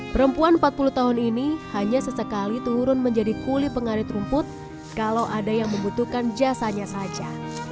perempuan empat puluh tahun ini hanya sesekali turun menjadi kulit pengarit rumput kalau ada yang membutuhkan jasanya saja